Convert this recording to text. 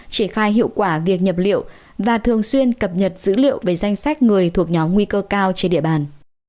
triển khai hiệu quả việc nhập liệu và thường xuyên cập nhật dữ liệu về danh sách người thuộc nhóm nguy cơ cao trên địa bàn